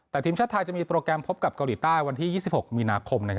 แต่ทีมชาติไทยจะมีโปรแกรมพบกับเกาหลีใต้วันที่๒๖มีนาคม